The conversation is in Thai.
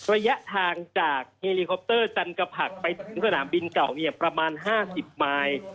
ระยะทางจากเฮลิคอปเตอร์จันกะผักไปถึงสนามบินเก่าเนี่ยประมาณ๕๐มาย